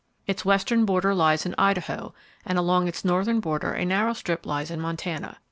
Its western border lies in Idaho, and along its northern border a narrow strip lies in Montana.